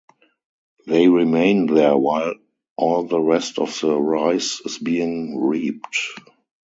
They remain there while all the rest of the rice is being reaped.